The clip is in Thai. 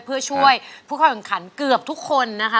เพื่อช่วยผู้เข้าแข่งขันเกือบทุกคนนะคะ